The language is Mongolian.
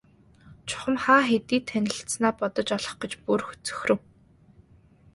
Чухам хаа хэдийд танилцсанаа бодож олох гэж бүр цөхрөв.